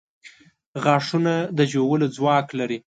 • غاښونه د ژولو ځواک لري.